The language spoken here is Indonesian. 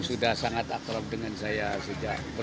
sudah sangat akrab dengan saya sejak bertahun tahun